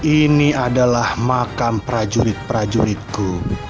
ini adalah makam prajurit prajuritku